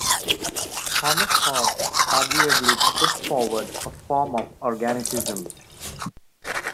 Thomas Hobbes arguably put forward a form of organicism.